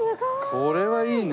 これはいいね。